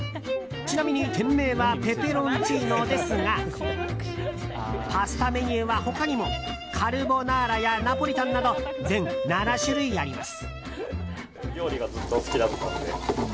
ちなみに、店名はペペロンチーノですがパスタメニューは他にもカルボナーラやナポリタンなど全７種類あります。